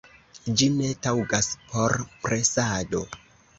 Ĝi ne taŭgas por presado.